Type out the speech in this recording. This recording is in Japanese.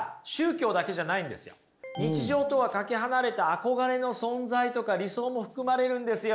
日常とはかけ離れた憧れの存在とか理想も含まれるんですよ。